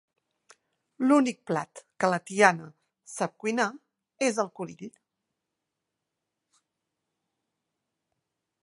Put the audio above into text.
L'únic plat que la tiama sap cuinar és el conill.